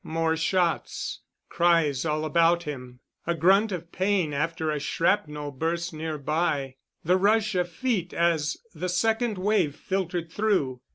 More shots. Cries all about him. A grunt of pain after a shrapnel burst nearby ... the rush of feet as the second wave filtered through